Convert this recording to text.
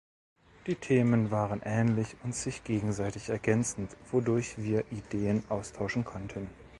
Die Themen waren ähnlich und sich gegenseitig ergänzend, wodurch wir Ideen austauschen konnten.